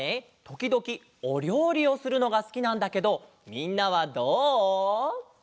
ときどきおりょうりをするのがすきなんだけどみんなはどう？